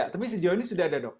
tapi sejauh ini sudah ada dok